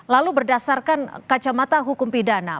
lalu berdasarkan kacamata hukum pidana